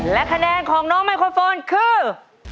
และคะแนนของน้องไมโครโฟนคือ